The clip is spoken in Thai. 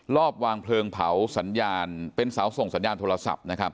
รอบวางเพลิงเผาเป็นสาวส่งสัญญาณโทรศัพท์